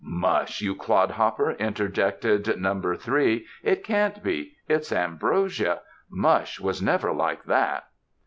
"Mush! you clodhopper!" interjected Number Three, "it can't be — it's ambrosia. Mush was never like that."